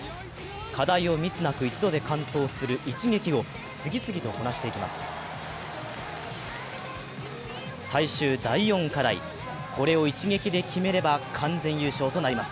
課題をミスなく一度で完登する一撃を次々とこなしていきます。